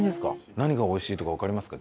何が美味しいとかわかりますか？